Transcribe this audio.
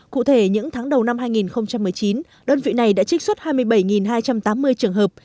cụ thể những tháng đầu năm hai nghìn một mươi chín đơn vị này đã trích xuất hai mươi bảy hai trăm tám mươi trường hợp